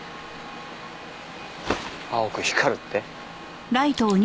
青く光るって？